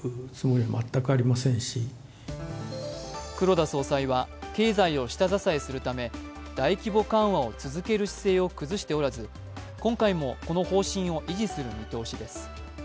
黒田総裁は経済を下支えするため大規模緩和を続ける姿勢を崩しておらず今回もこの方針を維持する見通しです。